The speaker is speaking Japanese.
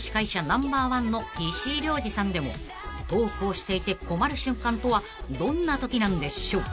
ナンバーワンの石井亮次さんでもトークをしていて困る瞬間とはどんなときなんでしょう］